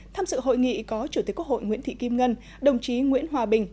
tham dự hội nghị có chủ tịch quốc hội nguyễn thị kim ngân đồng chí nguyễn hòa bình